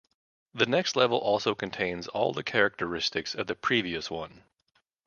The next level also contains all the characteristics of the previous one.